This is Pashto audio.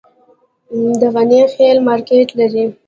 د غني خیل مارکیټ لري